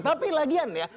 tapi lagian ya